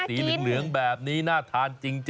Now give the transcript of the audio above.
สีเหลืองแบบนี้น่าทานจริง